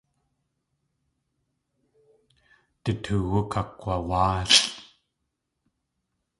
Du toowú kakg̲wawáalʼ.